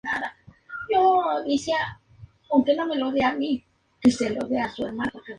Su posición indica que el dinosaurio tragó entera un ave arborícola de percha.